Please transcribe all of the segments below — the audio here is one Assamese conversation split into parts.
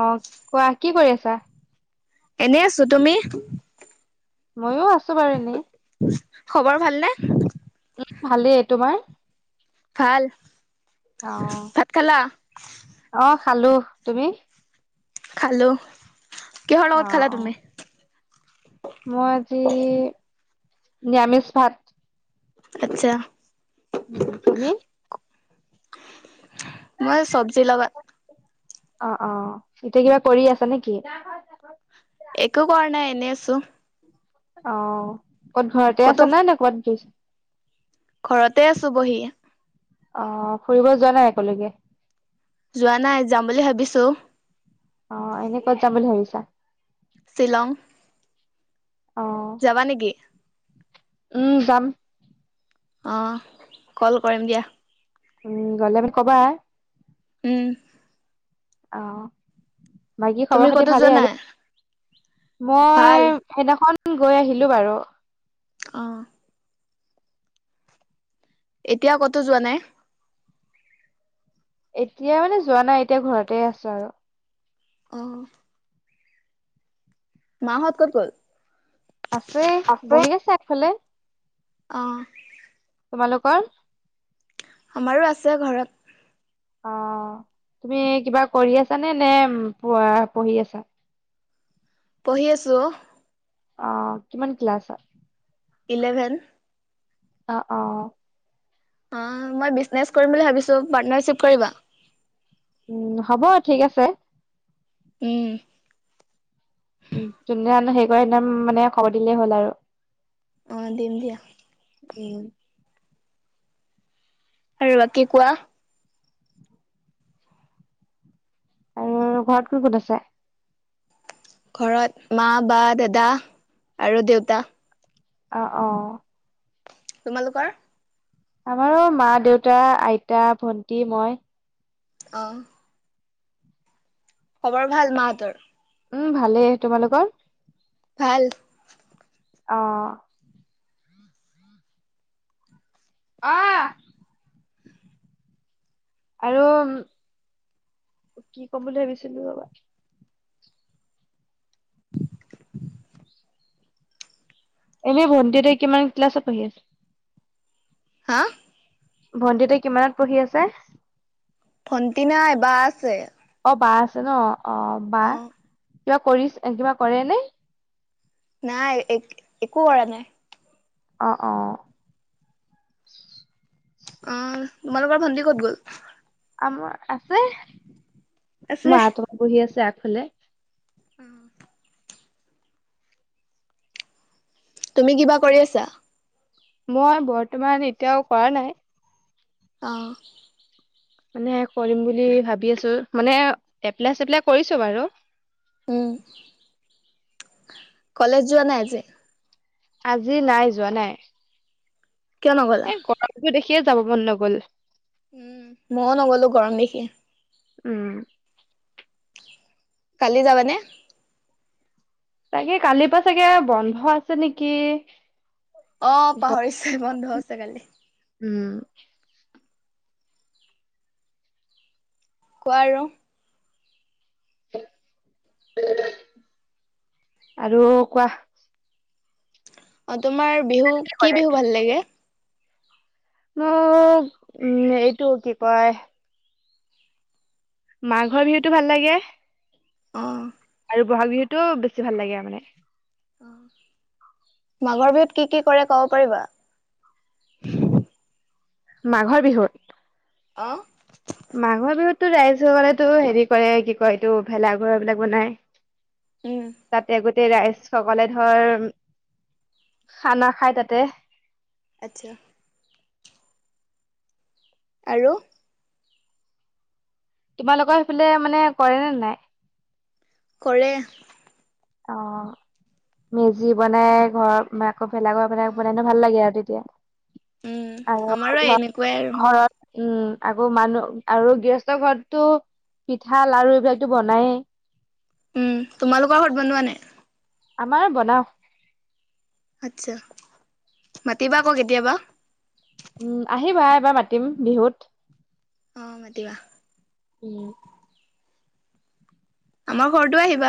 অ কোৱা কি কৰি আছা? এনেই আছো তুমি? ময়ো আছো বাৰু এনেই। খবৰ ভালনে? ভালেই তোমাৰ? ভাল অ ভাত খালা? অ খালো তুমি? খালো কিহৰ অ লগত খালা অ তুমি? মই, আজি নিৰামিষ ভাত। আচ্ছা। উ তুমি? মই চব্জি লগত। অ অ এতিয়া কিবা কৰি আছা নেকি? একো কৰা নাই এনে আছো। অ ক'ত ঘৰতে ক'তো আছা নে, নে কোবাত গইছা? ঘৰতে আছোঁ বহি। অ ফুৰিব যোৱা নাই কলৈকে? যোৱা নাই যাম বুলি ভাবিছোঁ। অ এনেই ক'ত যাম বুলি ভাবিছা? শিলং। জাবানেকি? উ যাম। অ কল কৰিম দিয়া। উ গ'লে মোক কবা? উ। অ বাকী তুমি খবৰ খাতি ক'তো যোৱা ভালেই আৰু। নাই মই, ভাল সেই দিনাখন গৈ আহিলো বাৰু। অ। এতিয়া কতোঁ যোৱা নাই? এতিয়া মানে যোৱা নাই, এতিয়া ঘৰতে আছো আৰু। অ। মা হত ক'ত গ'ল? আছে, বহি আছে আগফালে। অ। তোমালোকৰ? আমাৰো আছে ঘৰত। অ তুমি কিবা কৰি আছ নে, নে পঢ়ি আছা? পঢ়ি আছোঁ অ। অ কিমান ক্লাছত? ইলেভেন। অ অ। অ মই বিজনেচ কৰিম বুলি ভাবিছো। পাৰ্টনাৰশিপ কৰিবা? উ হ'ব ঠিক আছে। উ। উ, জুন দিনাখন হেৰি কৰে, সেই দিনা মানে খবৰ দিলেই হ'ল আৰু। অ দিম দিয়া। উম আৰু বাকী কোৱাঁ। আৰু ঘৰত কোন, কোন আছে? ঘৰত মা, বা, দাদা আৰু দেউতা। অ', অ'। তোমালোকৰ? আমাৰো মা, দেউতা, আইতা, ভন্টি, মই। অ'। খবৰ ভাল মাহঁতৰ? উ ভালেই, তোমালোকৰ? ভাল। অ'। আ, আৰু কি ক'ম বুলি ভাবিছিলো ৰ'বা। এনেই ভণ্টি হেটে কিমান ক্লাছত পঢ়ি আছে?। হা। ভণ্টি হেতে কিমানত পঢ়ি আছে? ভণ্টি নাই বা আছে। অ', বা আছে ন', অ', বা কিবা কৰি, কিবা কৰে নে? নাই, এক-একো কৰা নাই। অ', অ'। অ', তোমালোকৰ ভণ্টি ক'ত গ'ল? আমাৰ আছে, আছে। মাহঁতৰ বহি আছে আগফালে। অ'। তুমি কিবা কৰি আছা? মই বৰ্তমান এতিয়াও কৰা নাই। আ। মানে, কৰিম বুলি, ভাবি আছো, মানে এপ্লাই চেপ্লাই কৰিছো বাৰু। উম, কলেজ যোৱা নাই আজি? আজি নাই, যোৱা নাই। কিয় নগ'লা? এ গৰমটো দেখিয়ে যাব মন নগ'ল। উম', ময়ো নগলো গৰম দেখি। উম। কালি জাবানে? তাকে কালিৰ পৰা চাগে, বন্ধ আছে নেকি। অ', পাহৰিছোৱে বন্ধ আছে কাইলে। উম কোৱা আৰু। আৰু কোৱা। অ', তোমাৰ বিহু, কি বিহু ভাল লাগে? মোক, উম, এইটো কি কয়। মাঘৰ বিহুতটো ভাল লাগে। অ'। আৰু বহাগ বিহুতটো, বেছি ভাল লাগে আৰু মানে। অ', মাঘৰ বিহুত কি কি কৰে ক'ব পাৰিবা? [inaudible] মাঘৰ বিহুত? অ'। মাঘৰ বিহুতোত ৰাইজসকলেতো হেৰি কৰে, কি কয়, এইটো ভেলাঘৰ বিলাক বনাই। উম, তাতে গ তেই ৰাইজ সকলে ধৰ, খানা খাই তাতে। আচ্ছা। আৰু তোমালোকৰ সেইফালে মানে, কৰেনে নাই কৰে। অ'। মেজি বনাই, ঘৰত আকৌ ভেলাঘৰ বনাই [unintelligible] ভাল লাগে আৰু তেতিয়া। উম, আমাৰো আৰু এনেকুৱাই আৰু ঘৰত উম। আকৌ মানুহ, আৰু গৃহসস্থ ঘৰতো, পিঠা লাৰু এইবিলাকতো বনায়েই। উম, তোমালোকৰ ঘৰত বনোৱা নাই?। আমাৰ বনাও। আটছা, মাতিবা আকৌ কেতিয়াবা। উম আহিবা এবাৰ মাতিম বিহুত অ মতিবা উম আমাৰ ঘৰটো আহিবা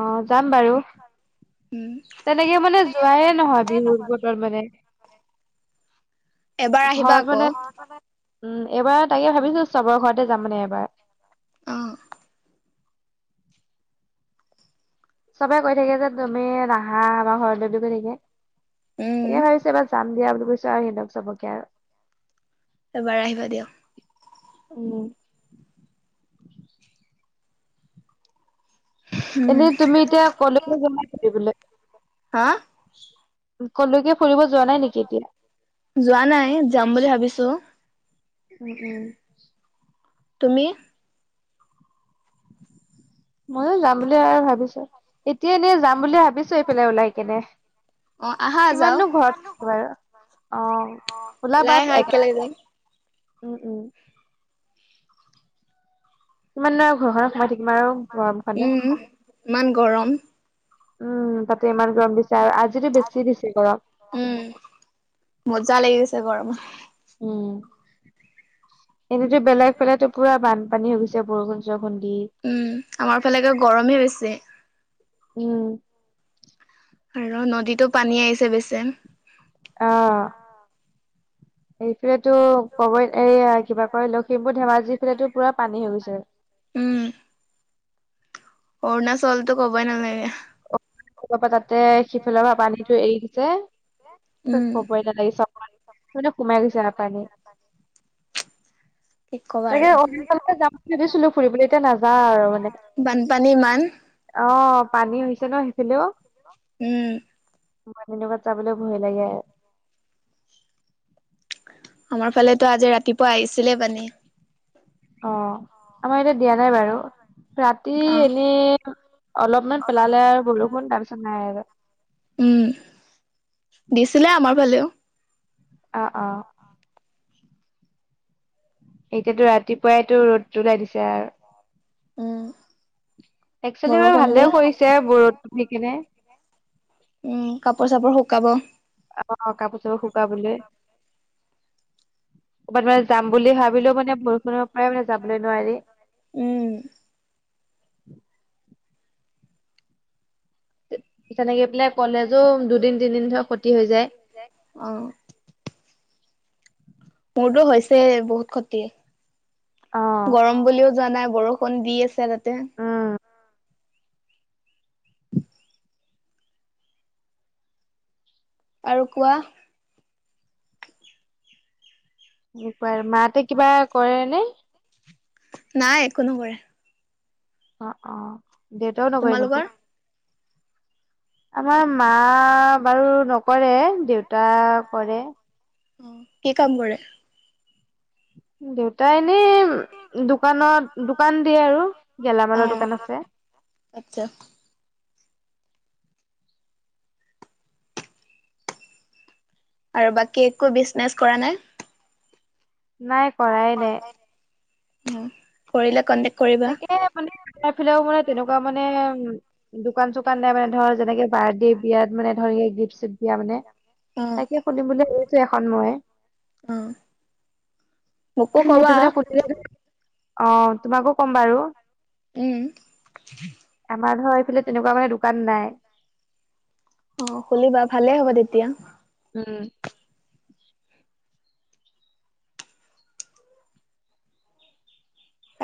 অ যাম বাৰু উম, তেনেকে মানে যোৱাইে নহয় বিহুৰ বতৰত মানে। [inaudible] আহিবা ঘৰত আকৌ মানে উম এইবাৰ তাকে ভাবিছো চবৰ ঘৰতে যাম মানে এবাৰ আহঁ চবে কৈ থাকে যে তুমি নাহা বামাৰ ঘৰলৈ বুলি কৈ থাকে উম, তাকে ভাবিছে এইবাৰ যাম দিয়া বুলি কৈছো আৰু সিহঁতক চবকে আৰু এবাৰ আহিবা দিয়ক উ উম, এনেই তুমি এতিয়া কলেজ যাধলে হা কলৈকে ফুৰিব যোৱা নাই নেকি এতিয়া যোৱা নাই যাম বুলি ভাবিছো উ তুমি ময়ো যাম বুলি আৰু ভাবিছো এতিয়া এনেই যাম বুলি ভাবিছো এইফালে ওলাই কেনে অ', আহা যাওঁ কিমাননো ঘৰত থাকে বাৰু অ' খোলা ওলাই বাট আহা এক একেলগে যাম উম উম। কিমান দি আৰু ঘৰখনত সোমাই থাকিম আৰু গৰম উম, ইমান [unintelligible] গৰম উম তাতে ইমান গম দি। আজো বেছি দিছে গৰম। ছে গৰম। উম। এনেতো বেলেগ ফালেো পুৰা বানপানী হৈ গৈছে বৰষুণ চ উম আমাৰ ফালেকে গৰমে বেছি। উম। আৰু নদীতো পানী আহিছে বেচ। আহ এই ফালেতো কবই এইয়া কিবা কয় লখিমপুৰ ধেমাজি ফালেতো পুৰা পানী হৈ গৈছে। উম অৰুণাচলটো কবই নালাগে। ত পৰা তাতে সিফালৰ পৰা পানীতটো এৰি দিছে। উম, কবই নালাগি চ মানে সোমাই গৈছে ন পানী উ কি ক'বা তাগে আৰু। অৰুচলে যাম বুলি ভাবিছিলো ফুৰিবলৈ এতিয়া নাযাওঁ আৰু মানে। বানপানী ইমান আহ পানী হৈছে ন সেইফালেও। উম, মানিৰ লগত যাবলৈ ভয় লাগে। আমাৰ ফালেতো আজি ৰাতিপুৱা আহিছিলে মানে। অ' আমাৰ এতিয়া দিয়া নাই বাৰু ৰাতি অ', এনে। অলপমান পেলালে আৰু বৰষুণ তাৰপিছত নাই। উম দিছিলে আমাৰ ফালেও অ অ এতিয়াতো ৰাতিপুৱাই তো ৰ'দ ওলাই দিছে আৰু উ একচোৱেলি বাৰু ভালেও কৰিছে বৰত কিনে কাপৰ চাপৰ শুকাব অ কাপোৰ চাপোৰ শুকাবলৈ ক'বাত ম য বুলি ভাবো যাবলৈ ম উম উ ল কলেজো দুদিন তিনিদিন ফ্ত হৈ যায় অ মোৰতো হৈছে বহুত ক্ষতি অ গৰম বুলিও যোৱা নাই বৰষুণ দি আছে তাতে তে উম আৰু কোৱা একবাৰ মাতে কিবা কৰে নে নাই একো নকৰে অ অ দেউতাও নকৰে নেকি তোমালোকৰ আমাৰ মা বাৰু নকৰে দেউতা কৰে অ কি কাম কৰে দে তাই এনেই দোকানত দোকান দিয়ে আৰু অ গেলামালৰ দোকান আছে আচ্ছা আৰু বাকী একো বিজনেছ কৰা নাই নাই কৰাই ন কৰিিললে কন্দে তাকে মানোৰ ফালেও মানে তেনেকুৱা মানে উ দোকান চোকান নাই মানে ধৰ যেনেকে বাৰ্থডে বিয়াত মানে ধৰ গিফ্ট চিফ্ট দা মানে তাকে খুলিম বুলি ভাবিছো এখন মই উ সেইটো মানে ক অ তোমাকো কম বাৰু উম আমাৰ ধৰ এইফালে তেনেকুৱা মানে দোকান নাই অ খলিবা ভালে হ'ব তেতিয়া উম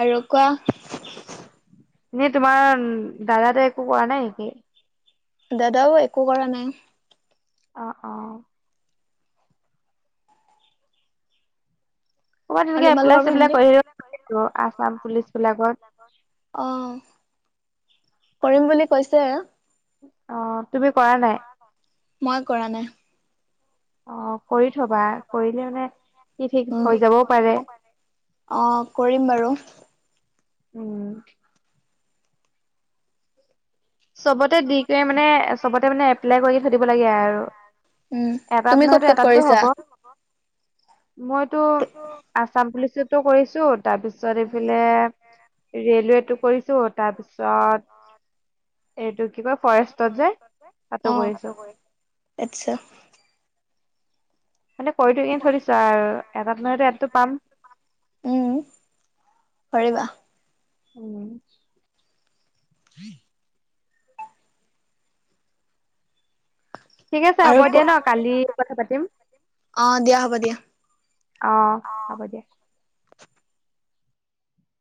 আৰু কোৱা এ তোমাৰ দাদা তাই একো কৰা নাই নেকি দাদাও একো কৰা নাই অ অ ক'বাত তেনেকে আৰু এপ্লাই তোমালোকৰ চপ্লাই ভণ্টি? কৰি আছাম পুলিচ বিলাকত অ কৰিম বুলি কৈছে অ তুমি কৰা নাই? মই কৰা নাই অ কৰি থবা কৰিলে মানে কি ঠিক উম হৈ যাবও পাৰে অ কৰিম বাৰু উম চবতে দি কৰি মানে চবতে মানে এপ্লাই কৰি থধিব লাগে আৰু এটাত নহয় এটাততো হব অ মইতো আছাম পুলিচটো কৰিছো তাৰপিছত উম এইফালে ৰেলৱেটো কৰিছো তাৰপিছত এইটো কি কয় ফৰেষ্টত যে তাতো অ কৰিছো আচ্ছা মানে কৰি থ কিনে থৈ দিছো আৰু এটা নহয় এটাটো পাম পাৰিবা উম হম ঠিক আছে হ'ব আৰু ক দিয়া ন কালি কথা পাতিম অ দিয়া হ'ব দিয়া অ হব দিয়া